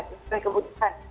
terus mereka kebutuhan